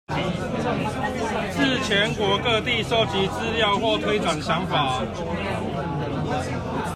至全國各地蒐集資料或推展想法